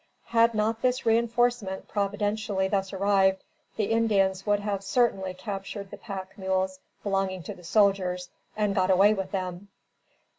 Had not this reinforcement providentially thus arrived, the Indians would have certainly captured the pack mules belonging to the soldiers, and got away with them.